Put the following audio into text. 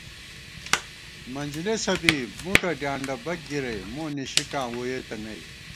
منجِلېسہ بی مُکہ ڈیانڈہ بَک گِرَئی مو نِشِکاں ووئېتہ نئ